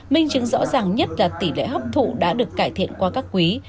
minh chứng rõ ràng nhất là tỷ lệ hấp thụ đã được cải thiện qua các quý